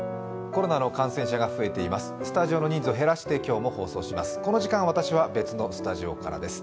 コロナの感染者が増えています、スタジオの人数を減らして今日も放送します。